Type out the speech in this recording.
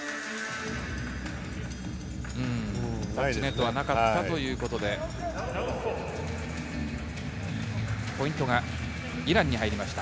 タッチネットはなかったということでポイントがイランに入りました。